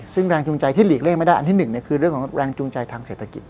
ซึ่งแรงจูงใจที่หลีกเลี่ยไม่ได้อันที่๑คือเรื่องของแรงจูงใจทางเศรษฐกิจ